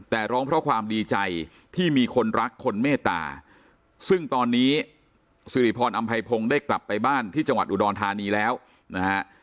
แต่ร้องเพราะความดีใจที่มีคนรักคนเมตตาซึ่งตอนนี้สิริพรอำไพพงศ์ได้กลับไปบ้านที่จังหวัดอุดรธานีแล้วนะฮะ